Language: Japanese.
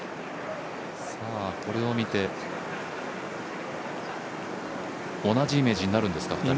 これを見て、同じイメージになるんですか？